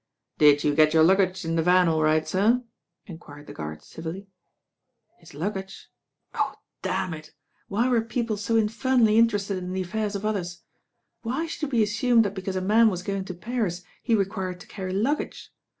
Did you get your luggage in the van aU right, sir? enquired the guard civilly. His luggage? Oh, damn it I* Why were people ^mfemally interested in the affairs of othe«? Why should It be assumed that because a man was gomg to Pans he required to carry luggage?